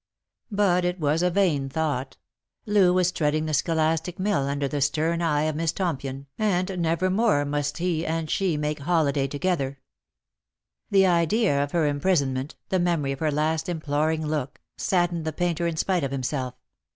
But it was a vain thought. Loo was treading the scholastic mill under the stern eye of Miss Tompion, and never more must he and she make holiday together. The idea of her imprisonment, the memory of her last im ploring look, saddened the painter in spite of himself.